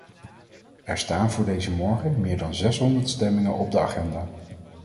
Er staan voor deze morgen meer dan zeshonderd stemmingen op de agenda.